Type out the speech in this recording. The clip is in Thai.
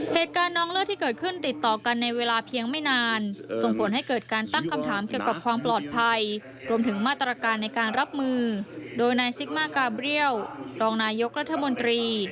เหตุการณ์น้องเลือดที่เกิดขึ้นติดต่อกันในเวลาเพียงไม่นานส่งผลให้เกิดการตั้งคำถามเกี่ยวกับความปลอดภัยรวมถึงมาตรการในการรับมือโดยนายซิกมากาเบรียลรองนายกรัฐมนตรี